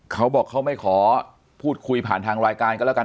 เขาบอกเขาไม่ขอพูดคุยผ่านทางรายการก็แล้วกัน